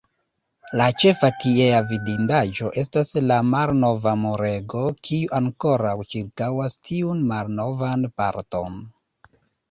La ĉefa tiea vidindaĵo estas la malnova Murego, kiu ankoraŭ ĉirkaŭas tiun malnovan parton.